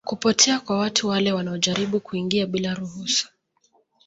kupotea kwa watu wale wanaojaribu kuingia bila ruhusu